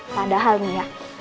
padahal nih ya